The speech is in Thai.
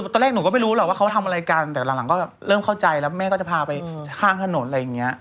ตอนแรกหนูก็ไม่รู้หรอกว่าเขาทำอะไรกันแต่หลังก็แบบเริ่มเข้าใจแล้วแม่ก็จะพาไปข้างถนนอะไรอย่างนี้